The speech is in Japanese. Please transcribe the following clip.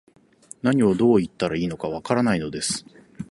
何を、どう言ったらいいのか、わからないのです